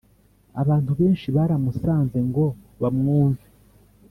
abantu benshi baramusanze ngo bamwumve